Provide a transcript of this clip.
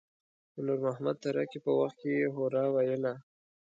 د نور محمد تره کي په وخت کې يې هورا ویله.